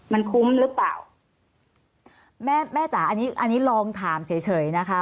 มันคุ้มหรือเปล่าแม่จ๋าอันนี้ลองถามเฉยนะคะ